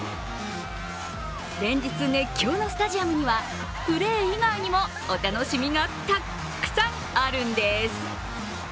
連日熱狂のスタジアムにはプレー以外にもお楽しみがたくさんあるんです。